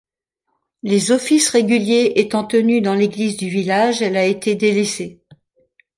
Les offices réguliers étant tenus dans l'église du village, elle a été délaissée.